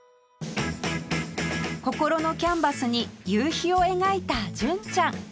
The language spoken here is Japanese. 心のキャンバスに夕日を描いた純ちゃん